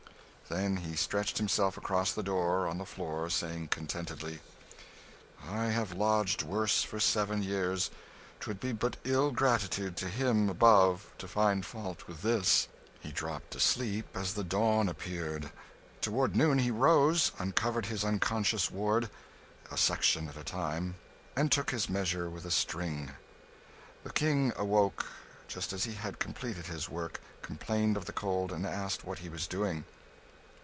Then he stretched himself across the door, on the floor, saying contentedly "I have lodged worse for seven years; 'twould be but ill gratitude to Him above to find fault with this." He dropped asleep as the dawn appeared. Toward noon he rose, uncovered his unconscious ward a section at a time and took his measure with a string. The King awoke, just as he had completed his work, complained of the cold, and asked what he was doing.